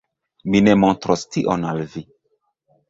Mi ne montros tion al vi